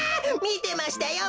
みてましたよ